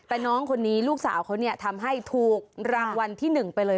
แต่น้องคนนี้ลูกสาวเขาเนี่ยทำให้ถูกรางวัลที่๑ไปเลย